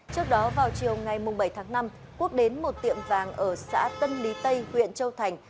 trước đó vào chiều ngày bảy tháng năm quốc đến một tiệm vàng ở xã tân lý tây huyện châu thành